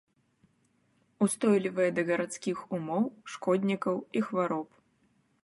Устойлівыя да гарадскіх умоў, шкоднікаў і хвароб.